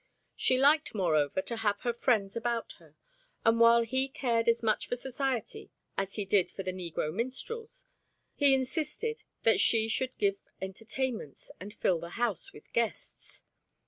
She liked, moreover, to have her friends about her, and while he cared as much for society as he did for the negro minstrels, he insisted that she should give entertainments and fill the house with guests.